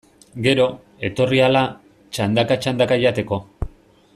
Gero, etorri ahala, txandaka-txandaka jateko.